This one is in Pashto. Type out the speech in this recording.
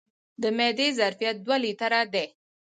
د معدې ظرفیت دوه لیټره دی.